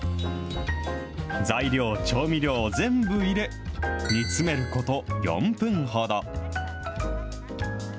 材料、調味料を全部入れ、煮詰めること４分ほど。